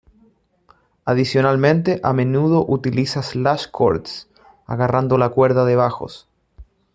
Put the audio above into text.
Adicionalmente, a menudo utiliza slash chords, agarrando la cuerda de bajos.